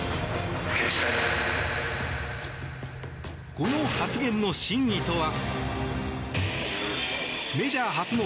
この発言の真意とは。